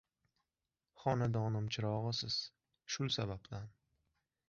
Xonadonim chirog‘isiz, shul sababdan –